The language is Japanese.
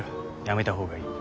やめた方がいい。